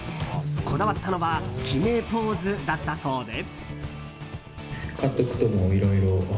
こだわったのは決めポーズだったそうで。